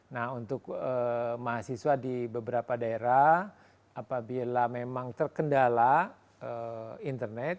nah untuk mahasiswa di beberapa daerah apabila memang terkendala internet